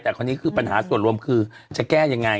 อันนี้คือปัญหาส่วนรวมคือจะแก้ยังไง